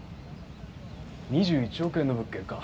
２１億円の物件か。